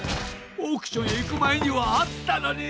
オークションへいくまえにはあったのに！